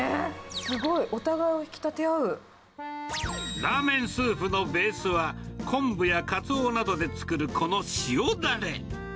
すごい、ラーメンスープのベースは、昆布やカツオなどで作るこの塩だれ。